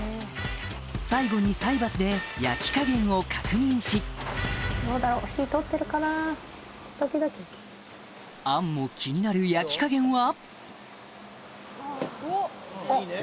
最後に菜箸で焼き加減を確認し杏も気になる焼き加減は？